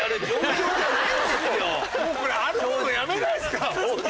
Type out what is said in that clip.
もうこれ歩くのやめないですか？